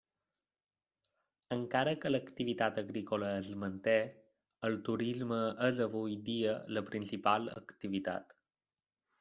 Encara que l'activitat agrícola es manté, el turisme és avui dia la principal activitat.